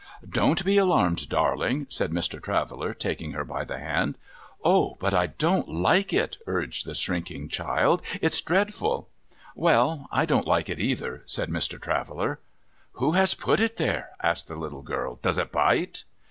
' Don't be alarmed, darling !' said Mr. Traveller, taking her by the hand, ' Oh, but I don't like it !' urged the shrinking child ;' it's dreadful' ' Well I I don't like it either,' said Mr. Traveller. ' Who has put it there ?' asked the little girl. ' Does it bite